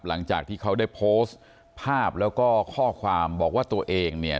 หลังจากที่เขาได้โพสต์ภาพแล้วก็ข้อความบอกว่าตัวเองเนี่ย